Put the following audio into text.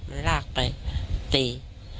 มันลากไปตี